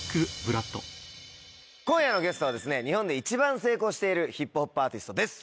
今夜のゲストは日本で一番成功しているＨＩＰＨＯＰアーティストです。